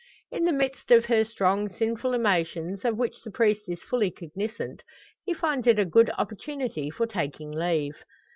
In the midst of her strong, sinful emotions, of which the priest is fully cognisant, he finds it a good opportunity for taking leave.